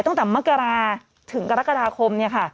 ตั้งแต่มกราถึงกรกฎาคม